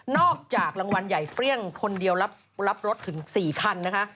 จากรางวัลใหญ่เปรี้ยงคนเดียวรับรถถึง๔คันนะคะ